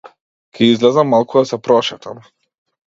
Ќе излезам малку да се прошетам.